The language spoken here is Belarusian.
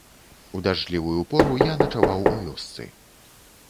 У дажджлівую пору я начаваў у вёсцы.